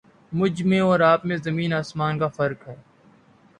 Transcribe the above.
مجھ میں اور آپ میں زمیں آسمان کا فرق ہے